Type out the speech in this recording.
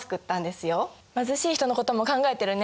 貧しい人のことも考えてるね。